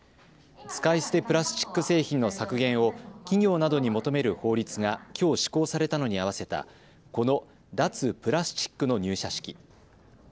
使い捨てプラスチック製品の削減を企業などに求める法律がきょう施行されたのに合わせたこの脱プラスチックの入社式。